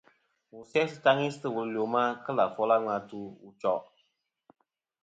Wù sè sɨ taŋi sɨ̂ wùl ɨ lwema kelɨ̀ àfol a ŋweyn atu wu choʼ.